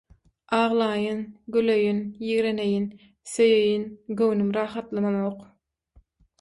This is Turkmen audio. Aglaýyn, güleýin, ýigreneýin, söýeýin – göwnüm rahatlananok.